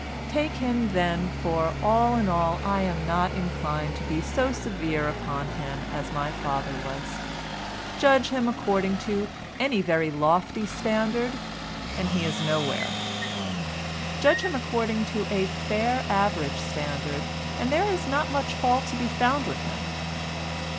Take him, then, for all in all, I am not inclined to be so severe upon him as my father was. Judge him according to any very lofty standard, and he is nowhere. Judge him according to a fair average standard, and there is not much fault to be found with him.